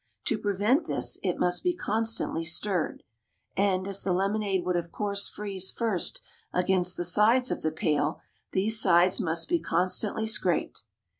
To prevent this it must be constantly stirred, and, as the lemonade would of course freeze first against the sides of the pail, these sides must be constantly scraped.